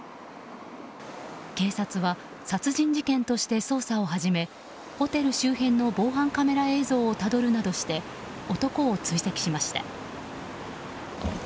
警察は殺人事件として捜査を始めホテル周辺の防犯カメラ映像をたどるなどして男を追跡しました。